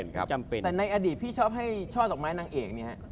แต่ในอดีตพี่ชอบให้ช่อดอกไม้นางเอกเนี่ยฮะ